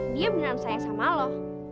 dia beneran sayang sama lu